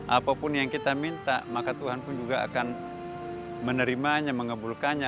apapun yang kita minta maka tuhan pun juga akan menerimanya mengebulkannya